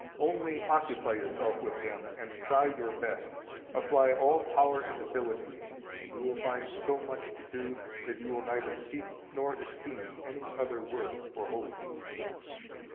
318 Only occupy yourself with them, and try your best, apply all power and ability, and you will find so much to do that you will neither seek nor esteem any other work or holiness.